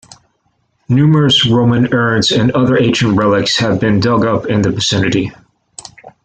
Numerous Roman urns and other ancient relics have been dug up in the vicinity.